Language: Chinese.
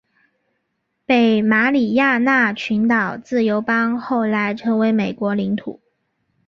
北马里亚纳群岛自由邦后来成为美国领土。